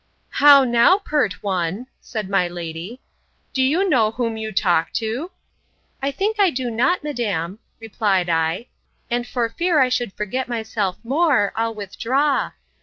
How now, pert one, said my lady, do you know whom you talk to?—I think I do not, madam, replied I: and for fear I should forget myself more, I'll withdraw.